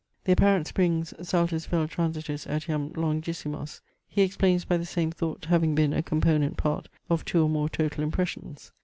The apparent springs "saltus vel transitus etiam longissimos," he explains by the same thought having been a component part of two or more total impressions.